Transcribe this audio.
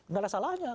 gak ada salahnya